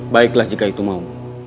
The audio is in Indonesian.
baiklah jika itu mau